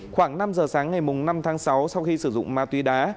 khoảng năm giờ sáng ngày năm tháng sáu sau khi sử dụng ma túy đá